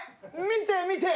見て！